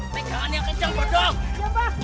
pegangan yang kejang bodoh